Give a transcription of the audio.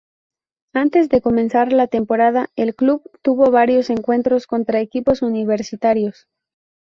Antes de comenzar la temporada el club tuvo varios encuentros contra equipos universitarios.